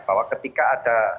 bahwa ketika ada